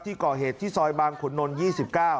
ที่เกาะเหตุที่ซอยบางขุนนท์ที่๒๙